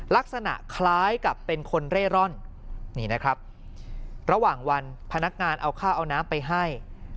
ลักษณะคล้ายกับเป็นคนเร่ร่อนนี่นะครับระหว่างวันพนักงานเอาข้าวเอาน้ำไปให้